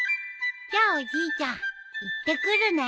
じゃあおじいちゃん行ってくるね。